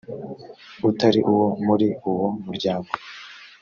utari uwo muri uwo muryango;